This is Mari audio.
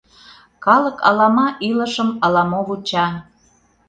— Калык алама илышым ала-мо вуча.